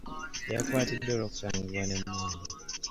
Yakwatiddwa olw'okusangibwa n'emmundu.